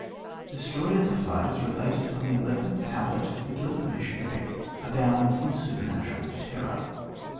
The story of the Flood, as related on the eleventh tablet of the Gilgamesh epic, abounds in supernatural terror.